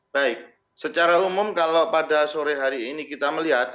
baik secara umum kalau pada sore hari ini kita melihat